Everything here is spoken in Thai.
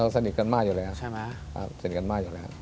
สนิทกันมากอยู่แล้ว